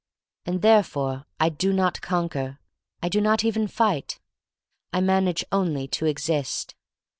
And therefore I do not conquer; I do not even fight. I manage only to exist.